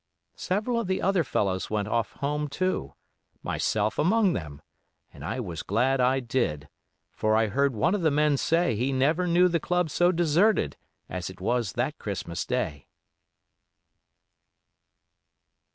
Several of the other fellows went off home too, myself among them, and I was glad I did, for I heard one of the men say he never knew the club so deserted as it was that Christmas day.